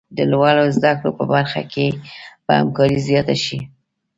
د لوړو زده کړو په برخه کې به همکاري زیاته شي.